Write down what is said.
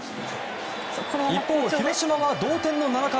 一方、広島は同点の７回。